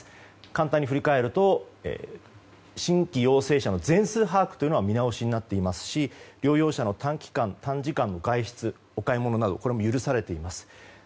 簡単に振り返ると新規陽性者の全数把握は見直しになっていますし療養者の短時間外出やお買い物なども許されています。